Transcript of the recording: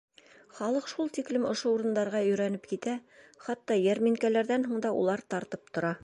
Халыҡ шул тиклем ошо урындарға өйрәнеп китә, хатта йәрминкәләрҙән һуң да улар тартып тора.